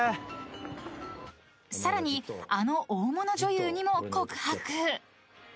［さらにあの大物女優にも告白］